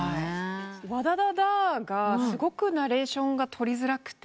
『ＷＡＤＡＤＡ』がすごくナレーションがとりづらくて。